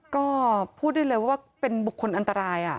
ก็พูดได้เลยว่าเป็นบุคคลอันตราย